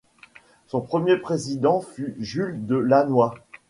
Son premier président fut Jules de Lannoy.